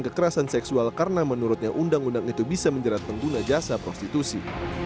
dan kekerasan seksual karena menurutnya undang undang itu bisa menjerat pengguna jasa prostitusi